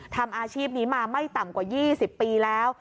ทำอาชีพนี้มาไม่ต่ำกว่า๒๐ปีแล้ว